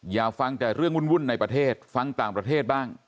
อย่าฟังแต่เรื่องวุ่นในประเทศฟังต่างประเทศบ้าง